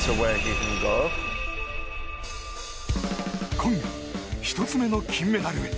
今夜、１つ目の金メダルへ。